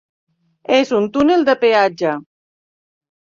És un túnel de peatge.